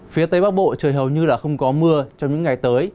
phía tây bắc bộ trời hầu như là không có mưa trong những ngày tới